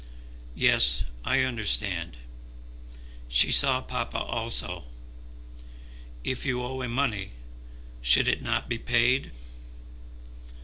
"Yes, I understand. She saw papa also. If you owe him money, should it not be paid?"